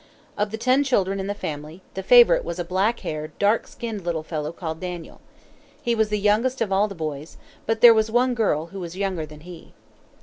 Of the ten children in the family, the favorite was a black haired, dark skinned little fellow called Daniel. He was the youngest of all the boys; but there was one girl who was younger than he.